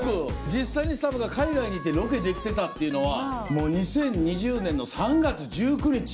実際にスタッフが海外に行ってロケできてたっていうのは２０２０年の３月１９日。